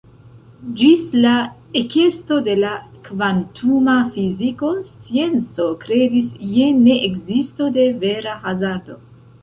Ĝis la ekesto de la kvantuma fiziko scienco kredis je ne-ekzisto de vera hazardo.